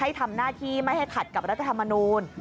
ให้ทำหน้าที่ไม่ให้ขัดกับรัฐธรรมนูล